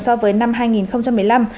so với năm hai nghìn một mươi năm